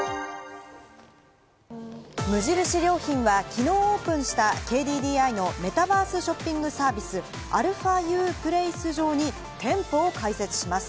無印良品はきのうオープンしたＫＤＤＩのメタバースショッピングサービス「αＵｐｌａｃｅ」上に店舗を開設します。